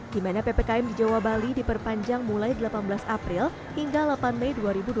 di mana ppkm di jawa bali diperpanjang mulai delapan belas april hingga delapan mei dua ribu dua puluh